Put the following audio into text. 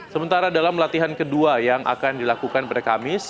sementara dalam latihan kedua yang akan dilakukan pada kamis